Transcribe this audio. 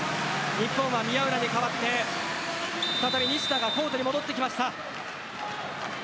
日本は宮浦に代わって再び西田がコートに戻ってきました。